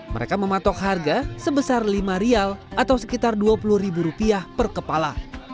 mereka mematok harga sebesar lima rial atau sekitar dua puluh ribu rupiah per kepala